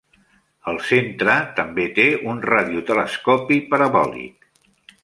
El centre també té un radiotelescopi parabòlic.